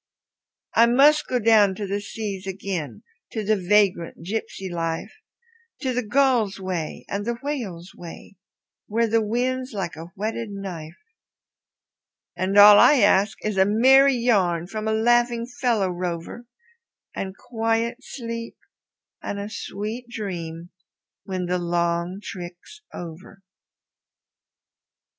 I must go down to the seas again, to the vagrant gypsy life, To the gull's way and the whale's way, where the wind's like a whetted knife; And all I ask is a merry yarn from a laughing fellow rover, And quiet sleep and a sweet dream when the long trick's over.